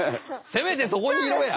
せめてそこにいろや！